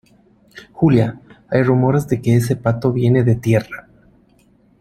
Julia, hay rumores de que ese pato viene de tierra